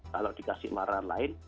kalau dikasih warna lain